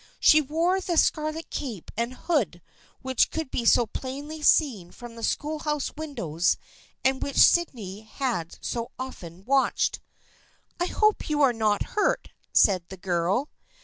She wore the scar let cape and hood which could be so plainly seen from the schoolhouse windows and which Sydney had so often watched. " I hope you are not hurt," said the girl.